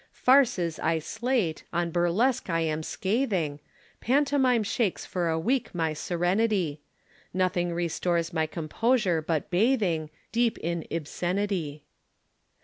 Farces I slate, on Burlesque I am scathing, Pantomime shakes for a week my serenity; Nothing restores my composure but bathing Deep in Ibsenity.